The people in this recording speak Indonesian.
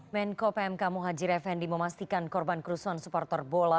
menko pmk muhajir effendi memastikan korban kerusuhan supporter bola